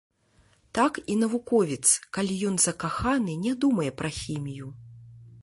Так і навуковец, калі ён закаханы, не думае пра хімію.